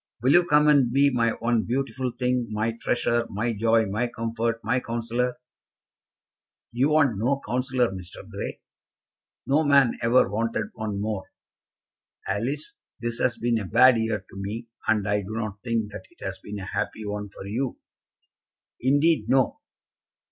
Will you come and be my one beautiful thing, my treasure, my joy, my comfort, my counsellor?" "You want no counsellor, Mr. Grey." "No man ever wanted one more. Alice, this has been a bad year to me, and I do not think that it has been a happy one for you." "Indeed, no."